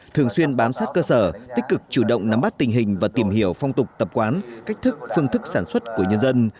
thường xuyên bám sát cơ sở tích cực chủ động nắm bắt tình hình và tìm hiểu phong tục tập quán cách thức phương thức sản xuất của nhân dân